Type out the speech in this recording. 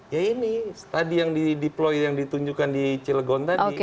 ya ini tadi yang di deploy yang ditunjukkan di cilegon tadi